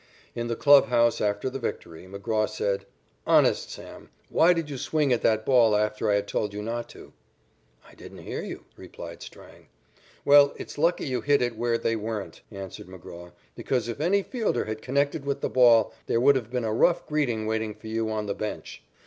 In the clubhouse after the victory, McGraw said: "Honest, Sam, why did you swing at that ball after I had told you not to?" "I didn't hear you," replied Strang. "Well, it's lucky you hit it where they weren't," answered McGraw, "because if any fielder had connected with the ball, there would have been a rough greeting waiting for you on the bench.